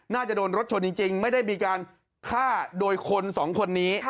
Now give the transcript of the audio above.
น่าจะโดนรถชนจริงไม่ได้มีการฆ่าโดยคนสองคนนี้